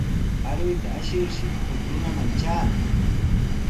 Aruyta ashirshi huk runaman traanaq.